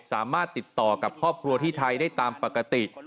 สามารถติดต่อกับครอบครัวที่ไทยได้ตามปกติ